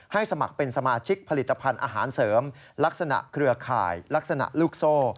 สมัครเป็นสมาชิกผลิตภัณฑ์อาหารเสริมลักษณะเครือข่ายลักษณะลูกโซ่